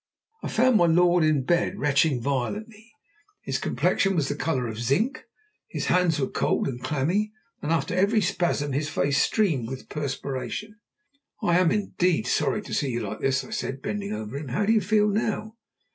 I found my lord in bed, retching violently; his complexion was the colour of zinc, his hands were cold and clammy, and after every spasm his face streamed with perspiration. "I am indeed sorry to see you like this," I said, bending over him. "How do you feel now?"